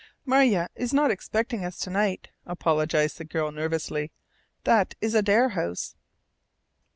"Marja is not expecting us to night," apologized the girl nervously. "That is Adare House."